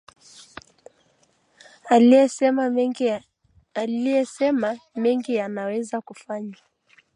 alisema mengi yanaweza kufanywa